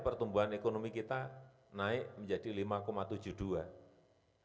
pertumbuhan ekonomi kita naik menjadi lima tujuh puluh dua